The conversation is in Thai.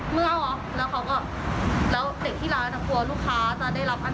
มันก็เลยไปแล้วลูกค้าก็เลยวิ่งหนีไป